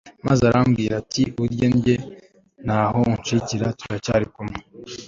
maze arambwira ati urye ndye ntaho uncikiye turacyari kumwe